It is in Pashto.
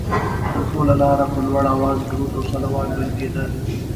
پر ټوله لاره په لوړ اواز درود او صلوات ویل کېده.